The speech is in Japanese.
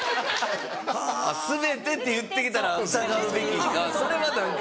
「全て」って言って来たら疑うべきそれは何か。